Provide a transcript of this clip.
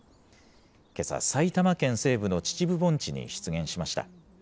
けさ、埼玉県西部の秩父盆地に出現しました。